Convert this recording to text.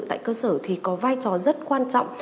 tại cơ sở thì có vai trò rất quan trọng